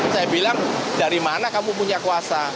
saya bilang dari mana kamu punya kuasa